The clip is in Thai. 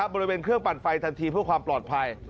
บริเวณเครื่องปั่นไฟทันทีเพื่อความปลอดภัย